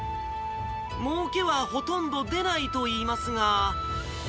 もうけはほとんど出ないといいますが。